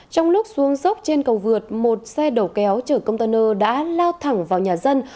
trong lúc xuống dốc trên cầu vượt một xe đầu kéo chở container đã lao thẳng vào nhà dân